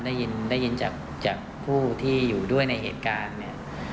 ได้ยินได้ยินจากผู้ที่อยู่ด้วยในเหตุการณ์เนี่ย